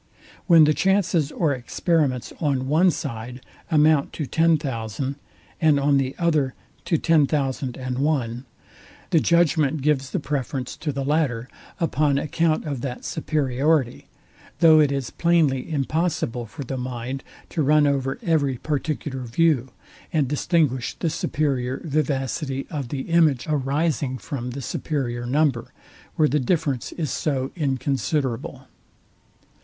When the chances or experiments on one side amount to ten thousand, and on the other to ten thousand and one, the judgment gives the preference to the latter, upon account of that superiority; though it is plainly impossible for the mind to run over every particular view, and distinguish the superior vivacity of the image arising from the superior number, where the difference is so inconsiderable.